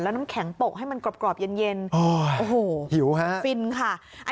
แล้วน้ำแข็งปกให้มันกรอบกรอบเย็นเย็นโอ้โหหิวฮะฟินค่ะ